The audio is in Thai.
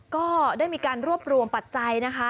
ก็ได้มีการรวบรวมปัจจัยนะคะ